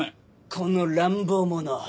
この乱暴者！